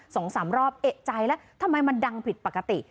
สองสามรอบเอกใจแล้วทำไมมันดังผิดปกติ